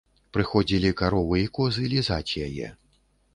Прыходзілі каровы і козы лізаць яе.